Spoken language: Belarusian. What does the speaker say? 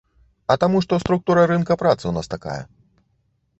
А таму, што структура рынка працы ў нас такая.